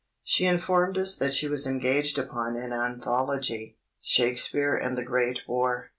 She informed us that she was engaged upon an anthology, "Shakespeare and the Great War."